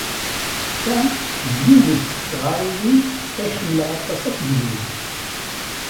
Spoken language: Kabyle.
Ta d yiwet seg tɣariwin ay ḥemmleɣ aṭas akk deg-wen.